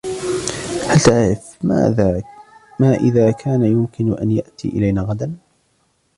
هل تعرف ما اذا كان يمكن أن يأتي الينا غداً ؟